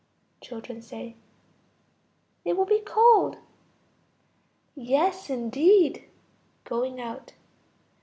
Children. They will be cold. Yes, indeed. (Going out.)